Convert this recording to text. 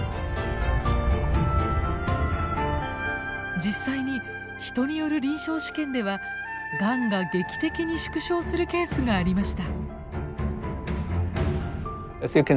実際に人による臨床試験ではがんが劇的に縮小するケースがありました。